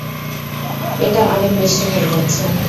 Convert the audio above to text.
এটা অনেক বেশি হয়ে যাচ্ছে।